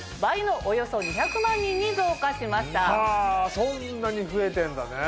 そんなに増えてんだね。